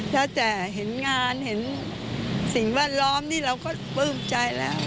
แล้วแต่เห็นงานเห็นสิ่งแวดล้อมนี่เราก็ปลื้มใจแล้ว